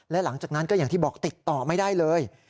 และหลังจากนั้นก็อย่างที่บอกติดต่อไม่ได้เลย